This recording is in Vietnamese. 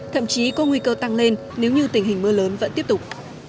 thậm chí có nguy cơ tăng lên nếu như tình hình mưa lớn vẫn tiếp tục